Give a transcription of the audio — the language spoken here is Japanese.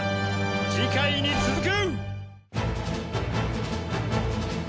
次回に続く！